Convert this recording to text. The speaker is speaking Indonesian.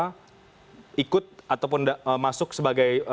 mereka ikut ataupun masuk sebagai